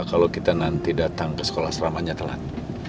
kalau kita nanti datang ke sekolah seramanya telat